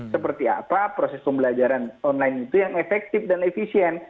seperti apa proses pembelajaran online itu yang efektif dan efisien